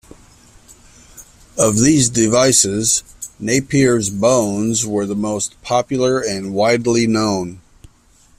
Of these devices, Napier's bones were the most popular and widely known.